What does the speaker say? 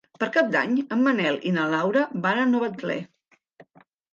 Per Cap d'Any en Manel i na Laura van a Novetlè.